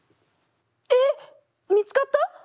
えっみつかった！？